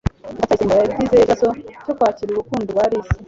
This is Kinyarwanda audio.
ndacyayisenga yagize ikibazo cyo kwakira urukundo rwa alice